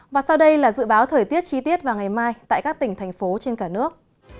và sau đây là dự báo thời tiết chi tiết vào ngày mai tại các tỉnh thành phố trên cả nước